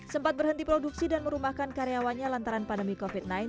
sempat berhenti produksi dan merumahkan karyawannya lantaran pandemi covid sembilan belas